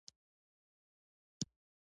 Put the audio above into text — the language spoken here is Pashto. غیرت د پښتون د شخصیت اصلي برخه ده.